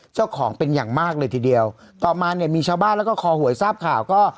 เจ้าของเป็นอย่างมากเลยทีเดียวต่อมาเนี่ยมีชาวบ้านแล้วก็คอหวยทราบข่าวก็